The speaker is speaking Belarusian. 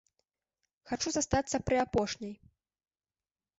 Хачу застацца пры апошняй.